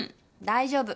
大丈夫。